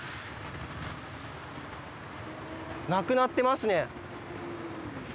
なくなってますね。